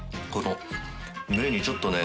麺にちょっとね